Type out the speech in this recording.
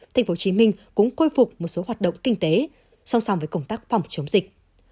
tp hcm cũng khôi phục một số hoạt động kinh tế song song với công tác phòng chống dịch